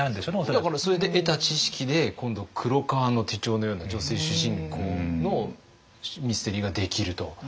だからそれで得た知識で今度「黒革の手帖」のような女性主人公のミステリーができると。